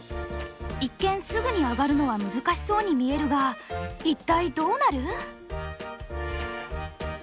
一見すぐにアガるのは難しそうに見えるが一体どうなる！